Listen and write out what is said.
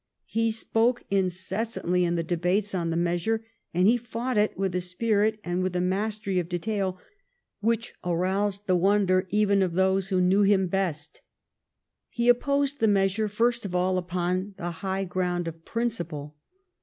He spoke incessantly in the debates on the measure, and he fought it with a spirit and with a mastery of detail which aroused the wonder even of those who knew him THE CRIMEAN WAR 193 best. He opposed the measure first of all upon the high ground of principle.